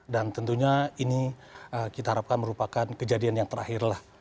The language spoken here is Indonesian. dan tentunya ini kita harapkan merupakan kejadian yang terakhirlah